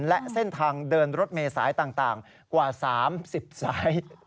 และเส้นทางเดินรถเมษายต่างกว่า๓๐สาย